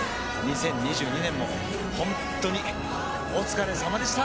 ２０２２年もほんっとにお疲れさまでした！